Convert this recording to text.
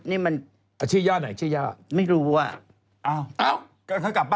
อย่างเดียวเขายังอยู่ในวงการนี้อีกเหรอ